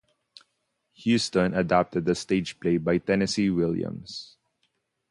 Huston adapted the stage play by Tennessee Williams.